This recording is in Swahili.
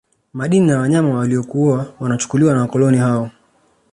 Madini na wanyama waliokuwa wanachukuliwa na wakoloni hao